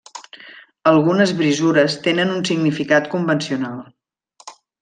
Algunes brisures tenen un significat convencional.